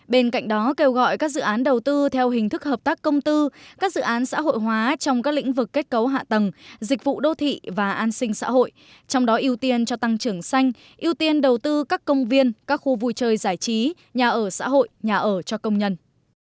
bên cạnh đó kêu gọi các dự án đầu tư theo hình thức hợp tác công tư các dự án xã hội hóa trong các lĩnh vực kết cấu hạ tầng dịch vụ đô thị và an sinh xã hội trong đó ưu tiên cho tăng trưởng xanh ưu tiên đầu tư các công viên các khu vui chơi giải trí nhà ở xã hội nhà ở cho công nhân